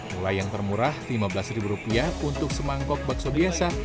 mulai yang termurah rp lima belas rupiah untuk semangkok bakso biasa